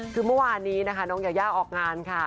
คือเมื่อวานนี้นะคะน้องยายาออกงานค่ะ